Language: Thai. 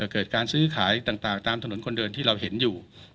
เกิดการซื้อขายต่างตามถนนคนเดินที่เราเห็นอยู่